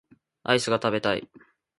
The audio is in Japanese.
アイスが食べたい